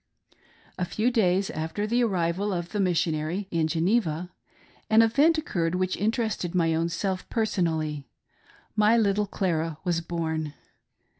A few days after the arrival of the Missionary in Geneva, an event occurred which interested my own self personally — my little Clara was born.